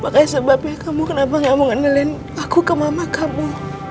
makanya sebabnya kamu kenapa gak mau ngenelin aku ke mama kamu